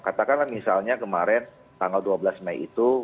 katakanlah misalnya kemarin tanggal dua belas mei itu